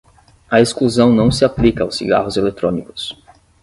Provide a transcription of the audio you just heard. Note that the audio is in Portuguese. A exclusão não se aplica aos cigarros eletrónicos.